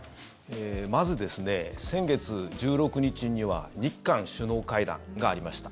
まず、先月１６日には日韓首脳会談がありました。